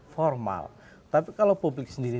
formal tapi kalau publik sendiri